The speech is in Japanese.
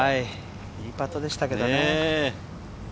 いいパットでしたけれどね。